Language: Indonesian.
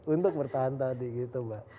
untuk bertahan tadi gitu mbak